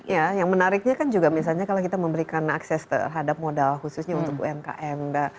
ya yang menariknya kan juga misalnya kalau kita memberikan akses terhadap modal khususnya untuk umkm